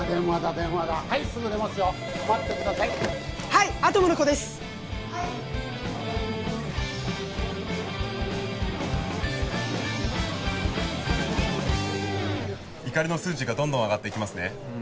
はい怒りの数値がどんどん上がっていきますね